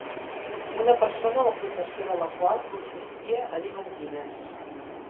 Una persona la professió de la qual consistia a dir mentides